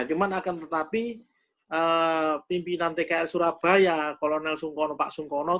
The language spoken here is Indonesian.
cuman akan tetapi pimpinan tkl surabaya kolonel pak sungkono